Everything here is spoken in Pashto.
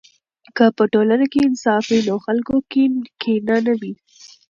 که په ټولنه کې انصاف وي، نو خلکو کې کینه نه وي.